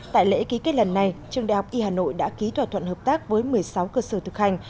tại lễ ký kết lần này trường đại học y hà nội đã ký thỏa thuận hợp tác với một mươi sáu cơ sở thực hành